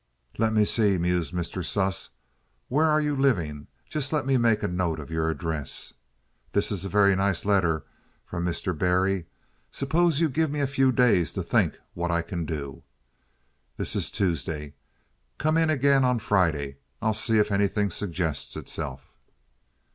"Let me see," mused Mr. Sluss, "where are you living? Just let me make a note of your address. This is a very nice letter from Mr. Barry. Suppose you give me a few days to think what I can do? This is Tuesday. Come in again on Friday. I'll see if anything suggests itself."